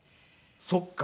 そっか。